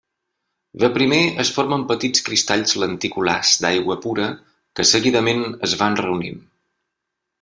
De primer es formen petits cristalls lenticulars d'aigua pura, que seguidament es van reunint.